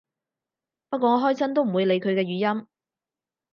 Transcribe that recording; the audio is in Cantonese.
不過我開親都唔會理佢嘅語音